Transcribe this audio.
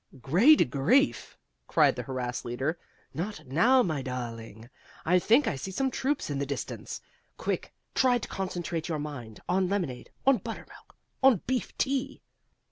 "Great grief!" cried the harassed leader. "Not now, my darling! I think I see some troops in the distance. Quick, try to concentrate your mind on lemonade, on buttermilk, on beef tea!"